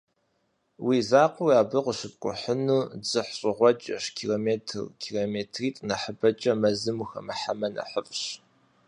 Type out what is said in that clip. Уи закъуэуи абы къыщыпкӀухьыну дзыхьщӀыгъуэджэщ: километр, километритӀ нэхъыбэкӀэ мэзым ухэмыхьэмэ нэхъыфӀщ.